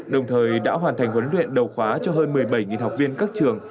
đồng thời đã hoàn thành huấn luyện đầu khóa cho hơn một mươi bảy học viên các trường